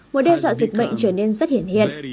một đe dọa dịch bệnh trở nên rất hiển hiện